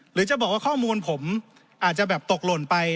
หรือจะบอกว่าข้อมูลผมอาจจะแบบตกหล่นไป